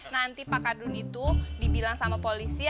nanti pak kadun itu dibilang sama polisi